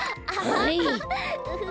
はい！